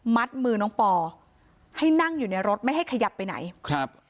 มือน้องปอให้นั่งอยู่ในรถไม่ให้ขยับไปไหนครับ